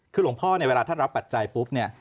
คือหลวงพ่อเนี่ยเวลาท่านรับปัจจัยปุ๊บเนี่ย